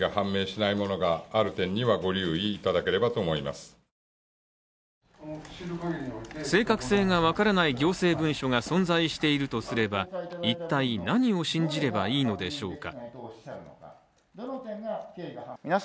しかし、松本総務大臣は正確性が分からない行政文書が存在しているとすれば一体何を信じればいいのでしょうか。